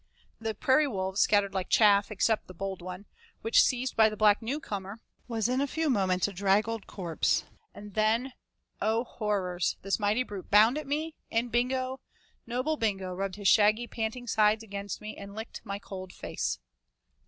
The prairie wolves scattered like chaff except the bold one, which, seized by the black new comer, was in a few moments a draggled corpse, and then, oh horrors! this mighty brute bounded at me and Bingo noble Bingo, rubbed his shaggy, panting sides against me and licked my cold face.